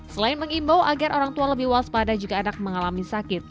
selain mengimbau agar orang tua lebih waspada jika anak mengalami sakit